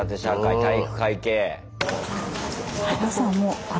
体育会系。